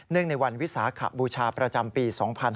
เนื่องในวันวิสาขบูชาประจำปี๒๕๖๑